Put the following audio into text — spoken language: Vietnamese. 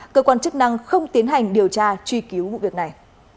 cơ quan chức năng không tiến hành điều tra truy cứu vụ việc này